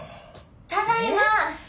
ただいま。